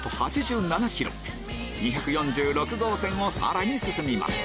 ２４６号線をさらに進みます